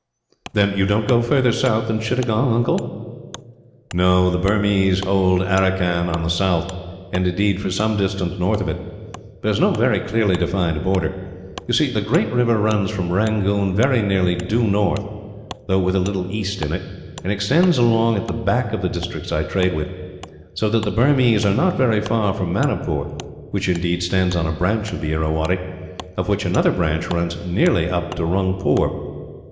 "Then you don't go further south than Chittagong, uncle?" "No. The Burmese hold Aracan on the south and, indeed, for some distance north of it there is no very clearly defined border. You see, the great river runs from Rangoon very nearly due north, though with a little east in it; and extends along at the back of the districts I trade with; so that the Burmese are not very far from Manipur which, indeed, stands on a branch of the Irrawaddy, of which another branch runs nearly up to Rungpoor.